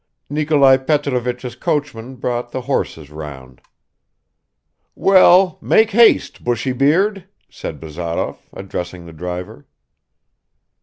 Nikolai Petrovich's coachman brought the horses round. "Well, make haste, bushy beard!" said Bazarov, addressing the driver.